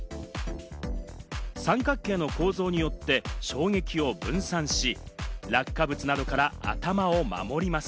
三角形の構造によって衝撃を分散し、落下物などから頭を守ります。